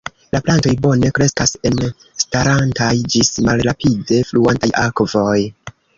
La plantoj bone kreskas en starantaj ĝis malrapide fluantaj akvoj.